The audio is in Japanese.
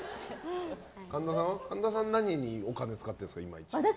神田さんは何にお金を使ってるんですか、一番。